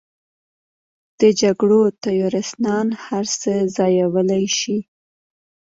د جګړو تیورسنان هر څه ځایولی شي.